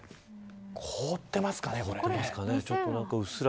凍ってますね。